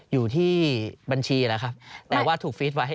อยู่ที่บัญชีแล้วครับแต่ว่าถูกฟีดไว้